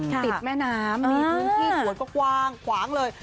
ติดแม่น้ำมีพื้นที่สวนก็กว้างขวางเลย